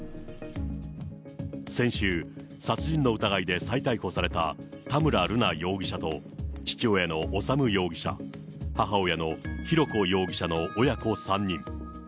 先週、殺人の疑いで再逮捕された田村瑠奈容疑者と、父親の修容疑者、母親の浩子容疑者の親子３人。